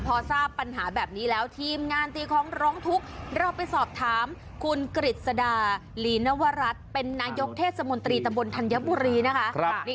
พอทราบปัญหาแบบนี้แล้วทีมงานตีของร้องทุกข์เราไปสอบถามคุณกฤษดาหลีนวรัฐเป็นนายกเทศมนตรีตำบลธัญบุรีนะคะ